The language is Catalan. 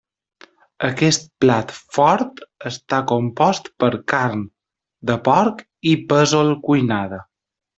Aquest plat fort està compost per carn de porc i pèsol cuinada.